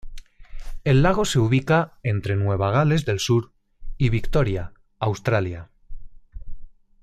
El lago se ubica entre Nueva Gales del Sur y Victoria, Australia.